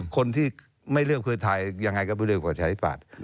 คนที่ไม่เลือกเพื่อไทยยังไงก็ไปเลือกประชาธิปัตย์